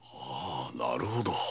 なるほど！